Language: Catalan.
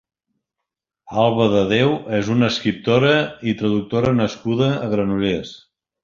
Alba Dedeu és una escriptora i traductora nascuda a Granollers.